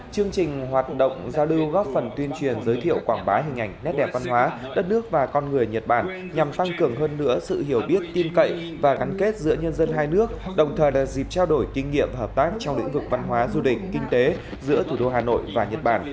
chương trình hoạt động giao lưu góp phần tuyên truyền giới thiệu quảng bá hình ảnh nét đẹp văn hóa đất nước và con người nhật bản nhằm tăng cường hơn nữa sự hiểu biết tin cậy và gắn kết giữa nhân dân hai nước đồng thời là dịp trao đổi kinh nghiệm hợp tác trong lĩnh vực văn hóa du lịch kinh tế giữa thủ đô hà nội và nhật bản